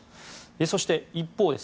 そして一方です。